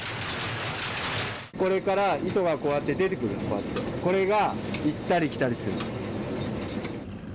これから糸がこうやって出てくる、これが行ったり来たりする。